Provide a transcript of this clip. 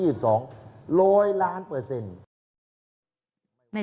โหวตวันที่๒๒